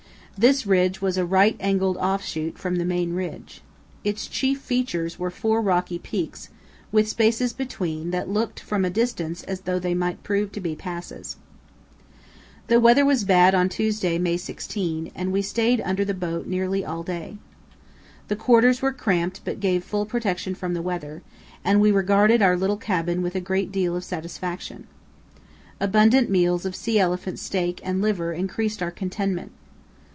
This ridge was a right angled offshoot from the main ridge. Its chief features were four rocky peaks with spaces between that looked from a distance as though they might prove to be passes. The weather was bad on Tuesday, May 16, and we stayed under the boat nearly all day. The quarters were cramped but gave full protection from the weather, and we regarded our little cabin with a great deal of satisfaction. Abundant meals of sea elephant steak and liver increased our contentment.